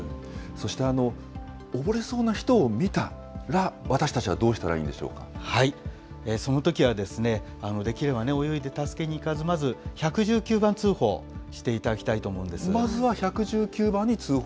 そして溺れそうな人を見たら、私たちはどうしたらいいんでしょそのときは、できれば泳いで助けに行かず、まず１１９番通報していただきたいまずは１１９番に通報。